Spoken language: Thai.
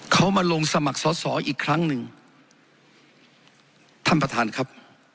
เขามาลงสมัครสอสออีกครั้งหนึ่งท่านประธานครับ